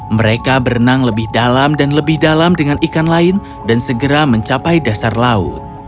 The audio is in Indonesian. mereka berenang lebih dalam dan lebih dalam dengan ikan lain dan segera mencapai dasar laut